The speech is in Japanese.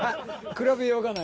比べようがない。